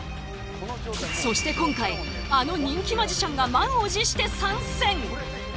そして今回あの人気マジシャンが満を持して参戦！